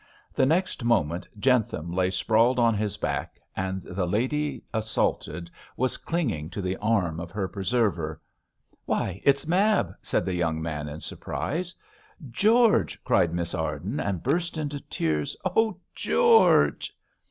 The next moment Jentham lay sprawling on his back, and the lady assaulted was clinging to the arm of her preserver. 'Why, it's Mab!' said the young man, in surprise. 'George!' cried Miss Arden, and burst into tears. 'Oh, George!'